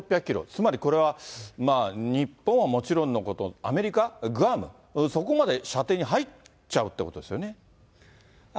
つまり、これは日本はもちろんのこと、アメリカ、グアム、そこまで射程に入っちゃうっていうことですよね。